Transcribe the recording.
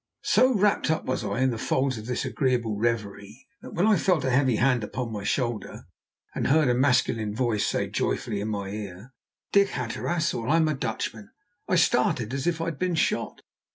So wrapped up was I in the folds of this agreeable reverie, that when I felt a heavy hand upon my shoulder and heard a masculine voice say joyfully in my ear, "Dick Hatteras, or I'm a Dutchman," I started as if I had been shot.